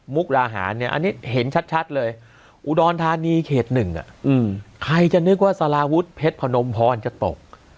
ราหารเนี่ยอันนี้เห็นชัดเลยอุดรธานีเขต๑ใครจะนึกว่าสารวุฒิเพชรพนมพรจะตก